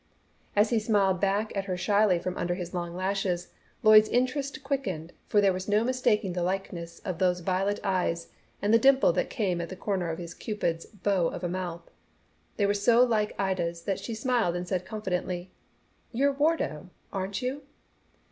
As he smiled back at her shyly from under his long lashes, Lloyd's interest quickened, for there was no mistaking the likeness of those violet eyes and the dimple that came at the corner of his cupid's bow of a mouth. They were so like Ida's that she smiled and said confidently, "You're Wardo. Aren't you!"